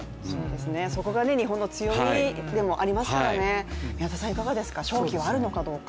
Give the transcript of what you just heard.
そこが日本の強みでもありますからね宮田さん、勝機はあるのかどうか。